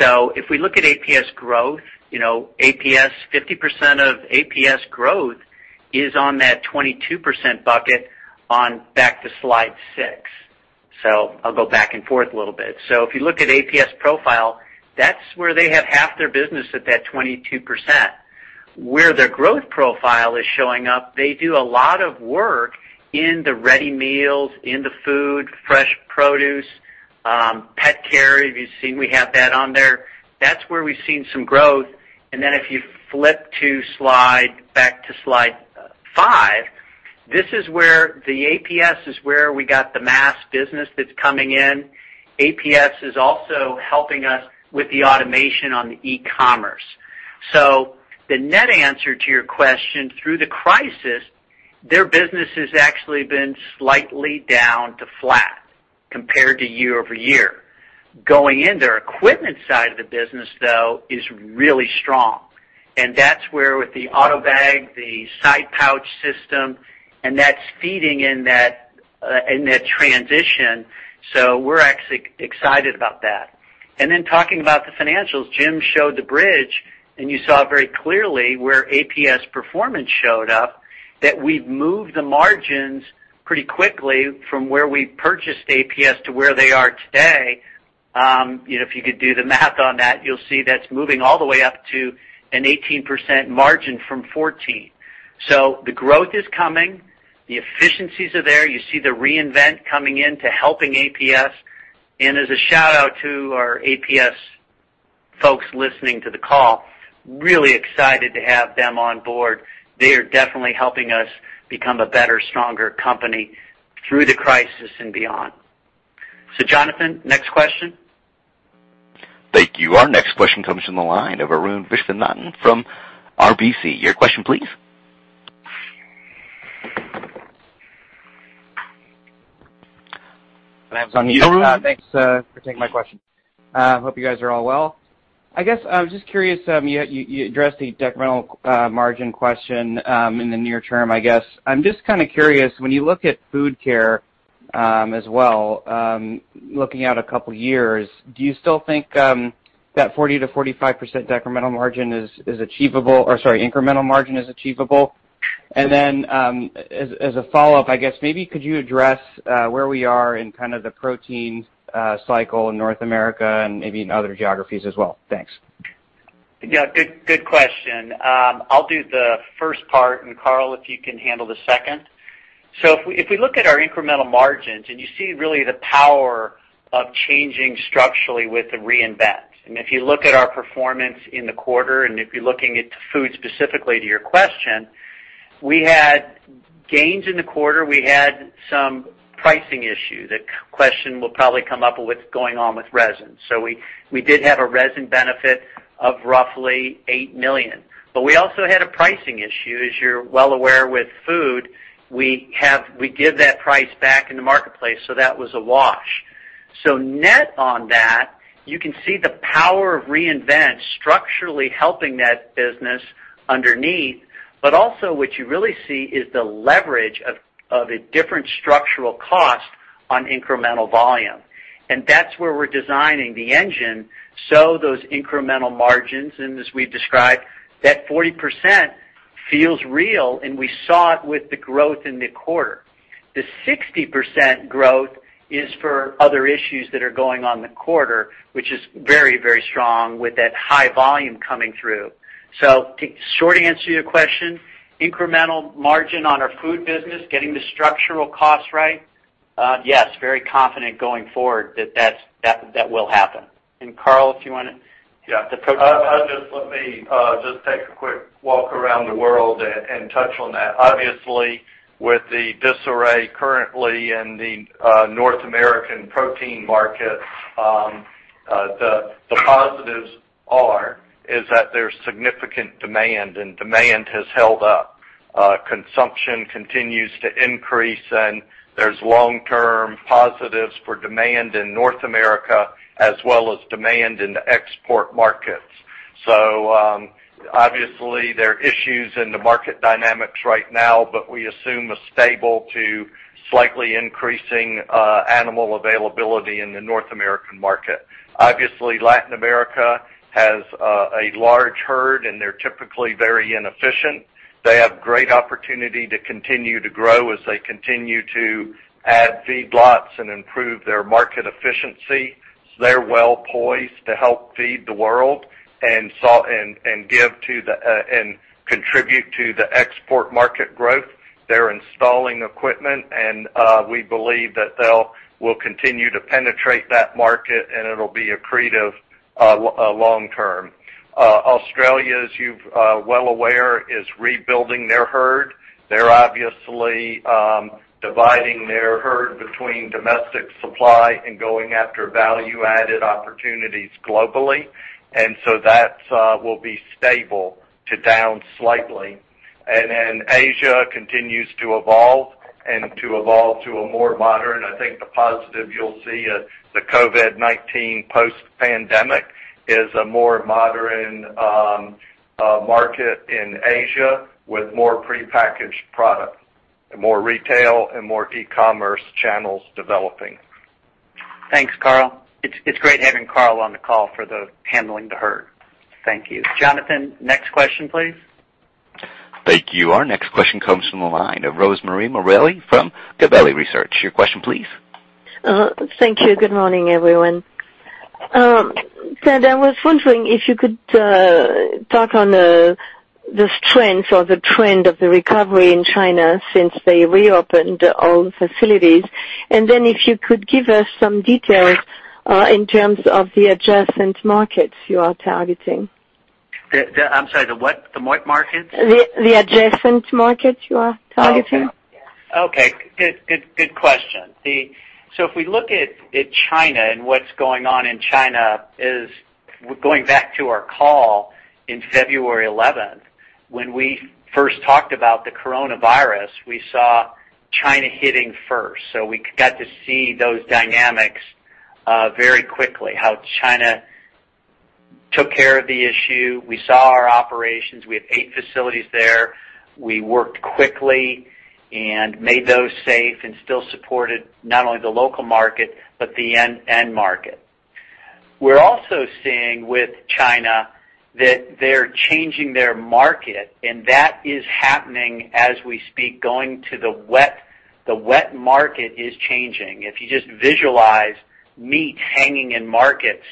If we look at APS growth, 50% of APS growth is on that 22% bucket on back to slide six. I'll go back and forth a little bit. If you look at APS profile, that's where they have half their business at that 22%. Where their growth profile is showing up, they do a lot of work in the ready meals, in the food, fresh produce, pet care. If you've seen, we have that on there. That's where we've seen some growth. If you flip back to slide five, this is where the APS is where we got the mask business that's coming in. APS is also helping us with the automation on the e-commerce. The net answer to your question, through the crisis, their business has actually been slightly down to flat compared to year-over-year. Going in their equipment side of the business, though, is really strong. That's where with the AutoBag, the SidePouch system, and that's feeding in that transition. We're actually excited about that. Talking about the financials, Jim showed the bridge, and you saw very clearly where APS performance showed up, that we've moved the margins pretty quickly from where we purchased APS to where they are today. If you could do the math on that, you'll see that's moving all the way up to an 18% margin from 14%. The growth is coming, the efficiencies are there. You see the Reinvent coming in to helping APS. As a shout-out to our APS folks listening to the call, really excited to have them on board. They are definitely helping us become a better, stronger company through the crisis and beyond. Jonathan, next question. Thank you. Our next question comes from the line of Arun Viswanathan from RBC. Your question, please. Thanks for taking my question. Hope you guys are all well. I guess I was just curious, you addressed the incremental margin question in the near term, I guess. I'm just kind of curious, when you look at Food Care as well, looking out a couple of years, do you still think that 40%-45% incremental margin is achievable? As a follow-up, I guess, maybe could you address where we are in kind of the protein cycle in North America and maybe in other geographies as well? Thanks. Yeah. Good question. I'll do the first part, and Karl, if you can handle the second. If we look at our incremental margins and you see really the power of changing structurally with the Reinvent SEE, and if you look at our performance in the quarter, and if you're looking at food specifically to your question, we had gains in the quarter. We had some pricing issue. The question will probably come up with what's going on with resin. We did have a resin benefit of roughly $8 million. We also had a pricing issue. As you're well aware with food, we give that price back in the marketplace, so that was a wash. Net on that, you can see the power of Reinvent SEE structurally helping that business underneath. Also what you really see is the leverage of a different structural cost on incremental volume. That's where we're designing the engine. Those incremental margins, and as we've described, that 40% feels real, and we saw it with the growth in the quarter. The 60% growth is for other issues that are going on in the quarter, which is very strong with that high volume coming through. Short answer to your question, incremental margin on our food business, getting the structural costs right. Yes, very confident going forward that that will happen. Karl, if you want to. Yeah. Just let me just take a quick walk around the world and touch on that. Obviously, with the disarray currently in the North American protein market, the positives are, is that there's significant demand, and demand has held up. Consumption continues to increase, and there's long-term positives for demand in North America, as well as demand in the export markets. Obviously there are issues in the market dynamics right now, but we assume a stable to slightly increasing animal availability in the North American market. Obviously, Latin America has a large herd, and they're typically very inefficient. They have great opportunity to continue to grow as they continue to add feedlots and improve their market efficiency. They're well-poised to help feed the world and contribute to the export market growth. They're installing equipment, and we believe that they will continue to penetrate that market, and it'll be accretive long term. Australia, as you've well aware, is rebuilding their herd. They're obviously dividing their herd between domestic supply and going after Value Added Solutions globally. That will be stable to down slightly. Asia continues to evolve to a more modern. I think the positive you'll see is the COVID-19 post-pandemic is a more modern market in Asia with more prepackaged product, more retail, and more e-commerce channels developing. Thanks, Karl. It's great having Karl on the call for the handling the herd. Thank you. Jonathan, next question, please. Thank you. Our next question comes from the line of Rosemarie Morbelli from Gabelli Research. Your question, please. Thank you. Good morning, everyone. Ted, I was wondering if you could talk on the strength or the trend of the recovery in China since they reopened all the facilities. If you could give us some details in terms of the adjacent markets you are targeting. I'm sorry, the what markets? The adjacent markets you are targeting. Okay. Good question. If we look at China and what's going on in China is, going back to our call in February 11, when we first talked about the coronavirus, we saw China hitting first. We got to see those dynamics very quickly, how China took care of the issue. We saw our operations. We have eight facilities there. We worked quickly and made those safe and still supported not only the local market but the end market. We're also seeing with China that they're changing their market, and that is happening as we speak, going to the wet market is changing. If you just visualize meat hanging in markets,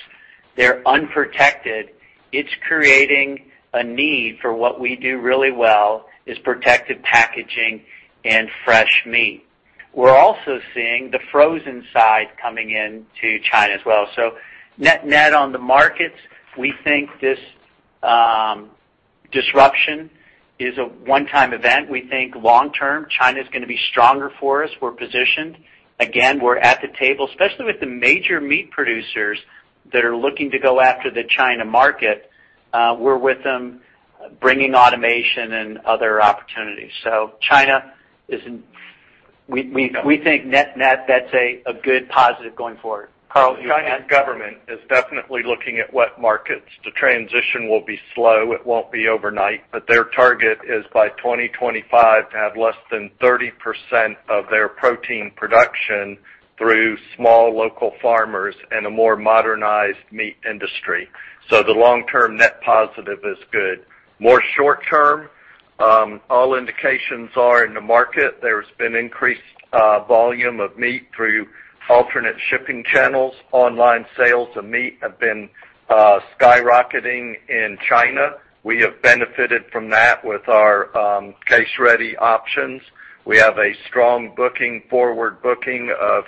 they're unprotected. It's creating a need for what we do really well, is protective packaging and fresh meat. We're also seeing the frozen side coming into China as well. Net on the markets, we think this disruption is a one-time event. We think long term, China's going to be stronger for us. We're positioned. Again, we're at the table, especially with the major meat producers that are looking to go after the China market. We're with them bringing automation and other opportunities. China, we think net, that's a good positive going forward. Karl, you had. Karl, China's government is definitely looking at wet markets. The transition will be slow. It won't be overnight. Their target is by 2025 to have less than 30% of their protein production through small local farmers and a more modernized meat industry. The long-term net positive is good. More short term, all indications are in the market. There's been increased volume of meat through alternate shipping channels. Online sales of meat have been skyrocketing in China. We have benefited from that with our case-ready options. We have a strong forward booking of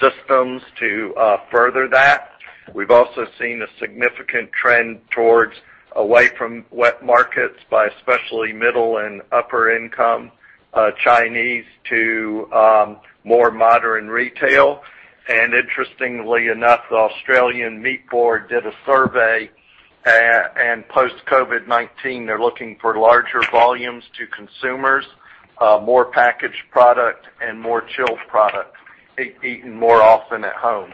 systems to further that. We've also seen a significant trend towards away from wet markets by especially middle and upper income Chinese to more modern retail. Interestingly enough, Meat & Livestock Australia did a survey and post-COVID-19, they're looking for larger volumes to consumers, more packaged product and more chilled product, eaten more often at home.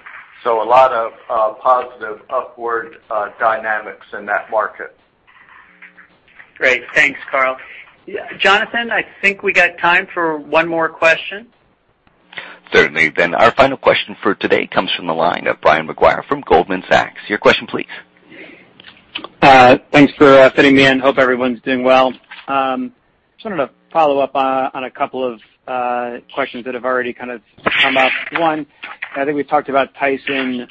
A lot of positive upward dynamics in that market. Great. Thanks, Karl. Jonathan, I think we got time for one more question. Certainly. Our final question for today comes from the line of Brian Maguire from Goldman Sachs. Your question please. Thanks for fitting me in. Hope everyone's doing well. Wanted to follow up on a couple of questions that have already kind of come up. One, I think we've talked about Tyson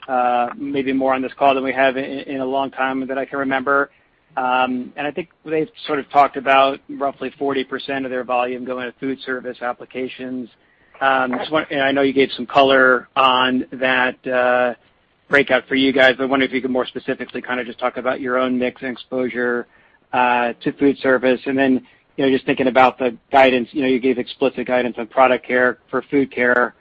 maybe more on this call than we have in a long time that I can remember. I think they've sort of talked about roughly 40% of their volume going to food service applications. I know you gave some color on that breakout for you guys, I wonder if you could more specifically kind of just talk about your own mix and exposure to food service. Thinking about the guidance, you gave explicit guidance on Product Care for Food Care.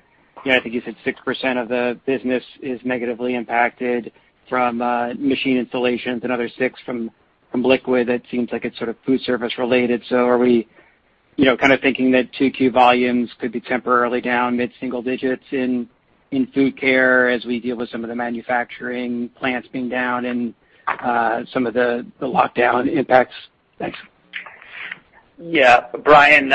I think you said 6% of the business is negatively impacted from machine installations, another six from liquid. It seems like it's sort of food service related. Are we kind of thinking that 2Q volumes could be temporarily down mid-single digits in Food Care as we deal with some of the manufacturing plants being down and some of the lockdown impacts? Thanks. Yeah. Brian,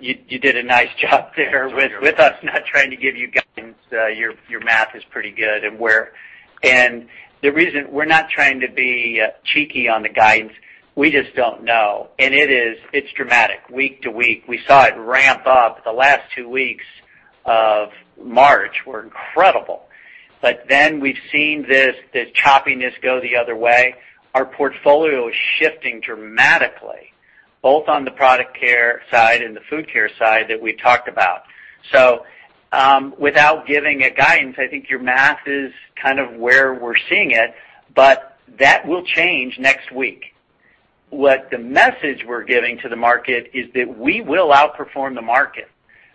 you did a nice job there with us not trying to give you guidance. Your math is pretty good. The reason we're not trying to be cheeky on the guidance, we just don't know. It's dramatic week to week. We saw it ramp up. The last two weeks of March were incredible. We've seen this choppiness go the other way. Our portfolio is shifting dramatically, both on the Product Care side and the Food Care side that we talked about. Without giving a guidance, I think your math is kind of where we're seeing it, but that will change next week. What the message we're giving to the market is that we will outperform the market.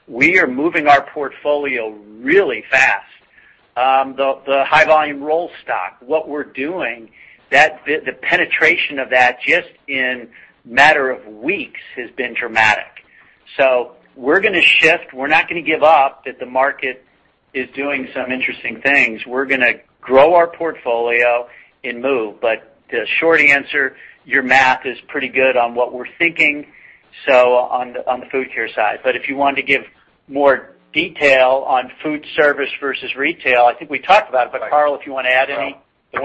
We are moving our portfolio really fast. The high volume roll stock, what we're doing, the penetration of that just in matter of weeks has been dramatic. We're going to shift. We're not going to give up, that the market is doing some interesting things. We're going to grow our portfolio and move. The short answer, your math is pretty good on what we're thinking on the Food Care side. If you wanted to give more detail on food service versus retail, I think we talked about it, but Karl, if you want to add any. The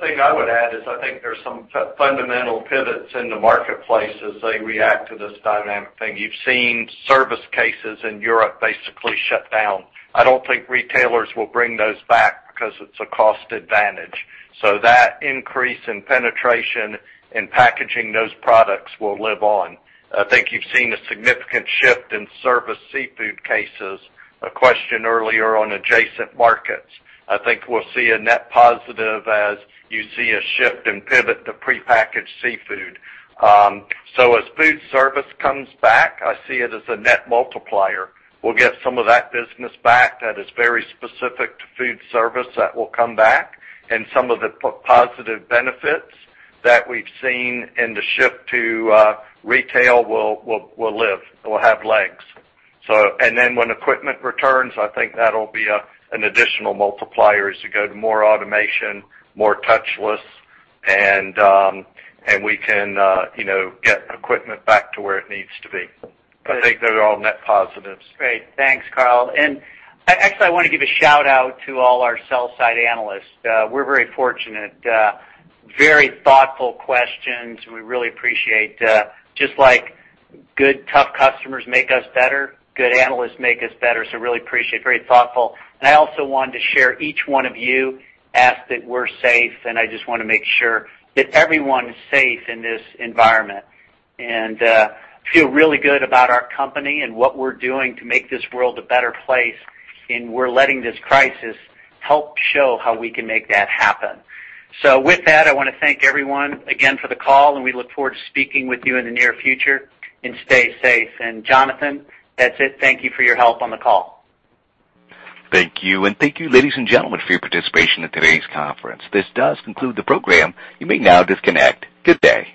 thing I would add is I think there's some fundamental pivots in the marketplace as they react to this dynamic thing. You've seen service cases in Europe basically shut down. I don't think retailers will bring those back because it's a cost advantage. That increase in penetration and packaging those products will live on. I think you've seen a significant shift in service seafood cases. A question earlier on adjacent markets. I think we'll see a net positive as you see a shift and pivot to prepackaged seafood. As food service comes back, I see it as a net multiplier. We'll get some of that business back that is very specific to food service that will come back, and some of the positive benefits that we've seen in the shift to retail will live, will have legs. When equipment returns, I think that'll be an additional multiplier as we go to more automation, more touchless, and we can get equipment back to where it needs to be. I think those are all net positives. Great. Thanks, Karl. Actually, I want to give a shout-out to all our sell-side analysts. We're very fortunate. Very thoughtful questions, and we really appreciate. Just like good tough customers make us better, good analysts make us better. Really appreciate. Very thoughtful. I also wanted to share, each one of you asked that we're safe, and I just want to make sure that everyone is safe in this environment. I feel really good about our company and what we're doing to make this world a better place, and we're letting this crisis help show how we can make that happen. With that, I want to thank everyone again for the call, and we look forward to speaking with you in the near future, and stay safe. Jonathan, that's it. Thank you for your help on the call. Thank you. Thank you, ladies and gentlemen, for your participation in today's conference. This does conclude the program. You may now disconnect. Good day.